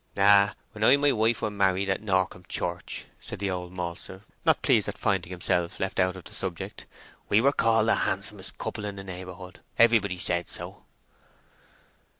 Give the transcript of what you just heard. "Ah, when I and my wife were married at Norcombe Church," said the old maltster, not pleased at finding himself left out of the subject, "we were called the handsomest couple in the neighbourhood—everybody said so."